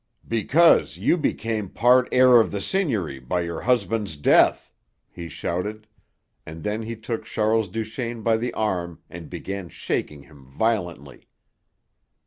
"Because you become part heir of the seigniory by your husband's death!" he shouted; and then he took Charles Duchaine by the arm and began shaking him violently.